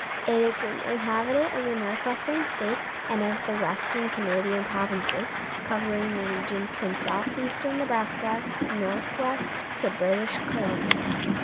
It is an inhabitant of the northwestern states and of the western Canadian provinces, covering the region from southeastern Nebraska northwest to British Columbia.